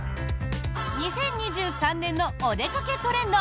２０２３年のおでかけトレンド